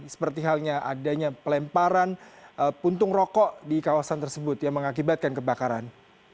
seperti halnya adanya pelemparan puntung rokok di kawasan tersebut yang mengakibatkan kebakaran